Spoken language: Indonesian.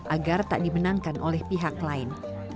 agar tak dimenangkan oleh pihak lain